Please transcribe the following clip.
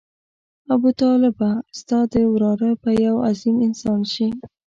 ابوطالبه ستا دا وراره به یو عظیم انسان شي.